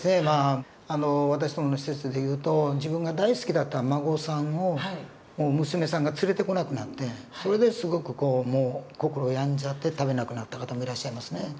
まあ私どもの施設で言うと自分が大好きだったお孫さんを娘さんが連れてこなくなってそれですごく心病んじゃって食べなくなった方もいらっしゃいますね。